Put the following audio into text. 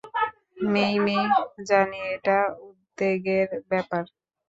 মেই-মেই, জানি এটা উদ্বেগের ব্যাপার।